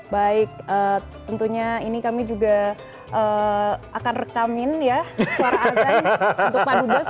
baik tentunya ini kami juga akan rekamin ya suara azan untuk pak dubes